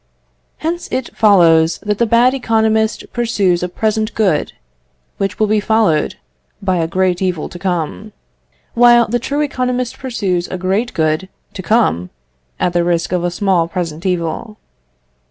Hence it follows that the bad economist pursues a small present good, which will be followed by a great evil to come, while the true economist pursues a great good to come, at the risk of a small present evil.